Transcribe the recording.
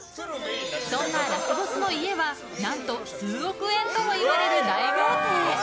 そんなラスボスの家は何と数億円ともいわれる大豪邸。